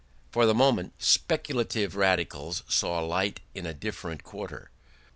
For the moment, speculative radicals saw light in a different quarter.